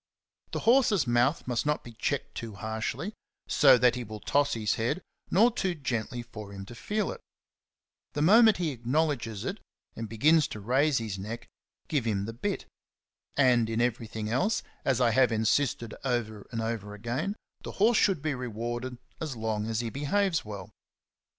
The horse's mouth must not be checked too harshly, so that he will toss his head, nor too gently for him to feel it. The moment he acknowledges it and begins to raise his neck, give him the bit. And in everything else, as I have insisted over and over again, the horse should be rewarded as long as he behaves well.